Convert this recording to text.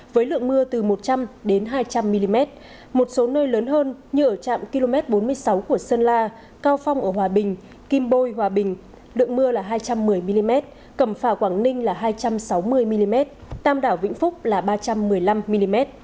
với lượng mưa từ một trăm linh đến hai trăm linh mm một số nơi lớn hơn như ở trạm km bốn mươi sáu của sơn la cao phong ở hòa bình kim bôi hòa bình lượng mưa là hai trăm một mươi mm cầm phả quảng ninh là hai trăm sáu mươi mm tam đảo vĩnh phúc là ba trăm một mươi năm mm